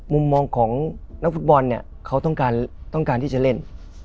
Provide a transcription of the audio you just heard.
มุมมองของนักฟุตบอลเนี่ยเขาต้องการที่จะเล่น